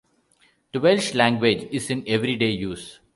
The Welsh language is in every day use.